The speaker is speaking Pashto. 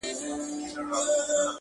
افغان اولسه ژوند دي پېغور دی -